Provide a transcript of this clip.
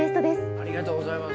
ありがとうございます。